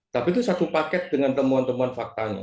tapi itu satu paket dengan temuan temuan faktanya